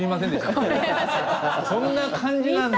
そんな漢字なんだ。